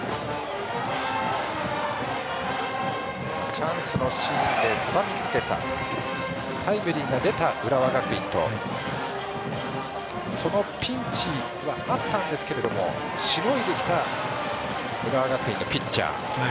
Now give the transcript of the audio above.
チャンスのシーンでたたみかけたタイムリーが出た浦和学院とピンチはあったんですけどしのいできた浦和学院のピッチャー。